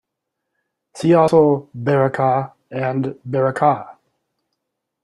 See also: "Baraka" and "Barakah".